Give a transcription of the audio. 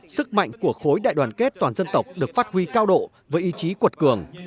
sức mạnh của khối đại đoàn kết toàn dân tộc được phát huy cao độ với ý chí cuột cường